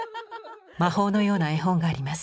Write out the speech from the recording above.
魔法のような絵本があります。